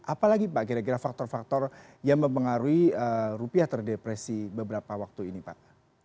apalagi pak kira kira faktor faktor yang mempengaruhi rupiah terdepresi beberapa waktu ini pak